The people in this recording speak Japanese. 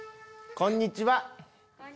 こんにちは。